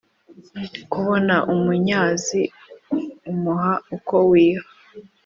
Kubona umunyazi umuha uko wiha